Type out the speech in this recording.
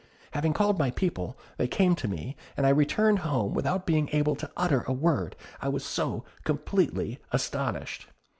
Having called my people, they came to me, and I returned home without being able to utter a word, I was so completely astounded.